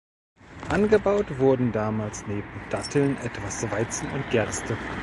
Angebaut wurden damals neben Datteln etwas Weizen und Gerste.